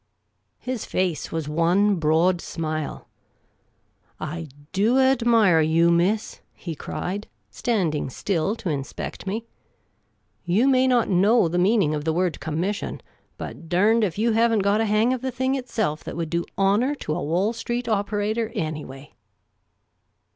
His face was one broad smile. "I do admire you, miss," he cried, standing still to inspect me. " You may not know the meaning of the word connnission ; but durned ef you have n't got a hang of the thing itself that would do honour to a Wall Street operator, anyway."